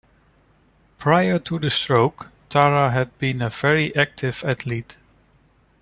Prior to the stroke, Tara had been a very active athlete.